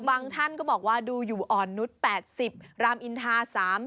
ท่านก็บอกว่าดูอยู่อ่อนนุษย์๘๐รามอินทา๓๐